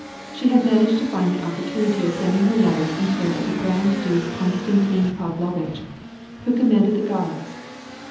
She had managed to find the opportunity of sending her letters in care of the Grand Duke Konstantine Pavlovitch, who commanded the guards.